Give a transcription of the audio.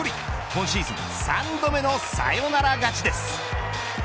今シーズン３度目のサヨナラ勝ちです。